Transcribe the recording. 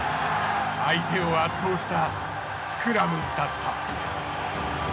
相手を圧倒したスクラムだった。